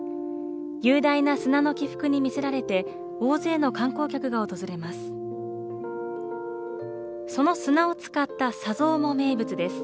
雄大な砂の起伏に魅せられて大勢の観光客が訪れます。